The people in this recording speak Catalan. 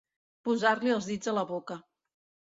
Posar-li els dits a la boca.